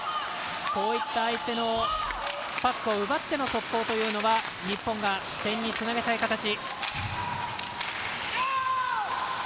こういった相手のパックを奪っての速攻というのは日本が点につなげたい形。